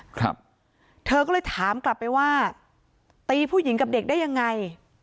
ครับเธอก็เลยถามกลับไปว่าตีผู้หญิงกับเด็กได้ยังไง